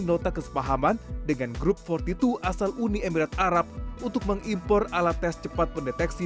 nota kesepahaman dengan grup empat puluh dua asal uni emirat arab untuk mengimpor alat tes cepat pendeteksi